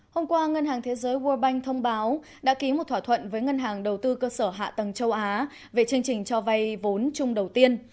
hôm qua ngân hàng thế giới world bank thông báo đã ký một thỏa thuận với ngân hàng đầu tư cơ sở hạ tầng châu á về chương trình cho vay vốn chung đầu tiên